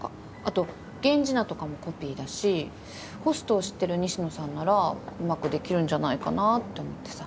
後源氏名とかもコピーだしホストを知ってる西野さんならうまくできるんじゃないかなって思ってさ。